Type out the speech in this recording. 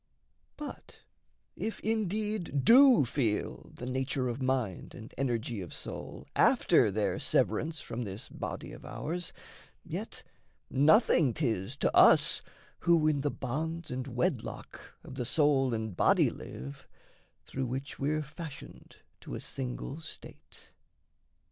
But if indeed do feel The nature of mind and energy of soul, After their severance from this body of ours, Yet nothing 'tis to us who in the bonds And wedlock of the soul and body live, Through which we're fashioned to a single state.